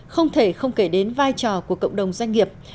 không thể không kể đến vai trò của cộng đồng doanh nghiệp